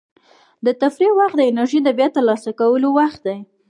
د تفریح وخت د انرژۍ د بیا ترلاسه کولو وخت دی.